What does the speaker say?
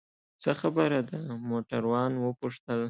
څه خبره ده؟ موټروان وپوښتل.